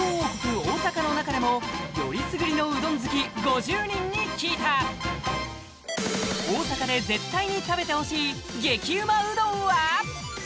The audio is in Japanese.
大阪の中でもよりすぐりのうどん好き５０人に聞いた大阪で絶対に食べてほしい激うまうどんは？